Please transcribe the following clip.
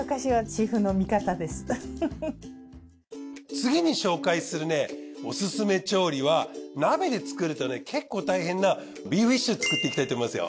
次に紹介するねオススメ調理は鍋で作るとね結構大変なビーフシチュー作っていきたいと思いますよ。